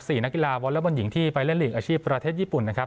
นักกีฬาวอเล็กบอลหญิงที่ไปเล่นหลีกอาชีพประเทศญี่ปุ่นนะครับ